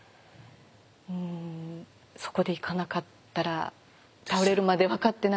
うんそこで行かなかったら倒れるまで分かってなかったかなっていう。